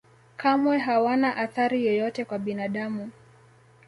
kamwe hawana athari yoyote kwa binadamu